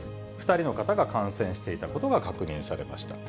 ２人の方が感染していたことが確認されました。